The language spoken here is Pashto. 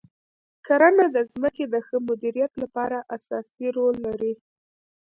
کرنه د ځمکې د ښه مدیریت لپاره اساسي رول لري.